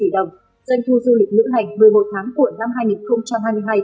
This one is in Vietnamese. doanh thu du lịch lưu hành một mươi một tháng cuội năm hai nghìn hai mươi hai